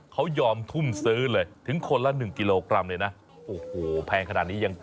เขายอมทุ่มซื้อเลยถึงคนละ๑กิโลกรัมเลยนะโอ้โหแพงขนาดนี้ยัง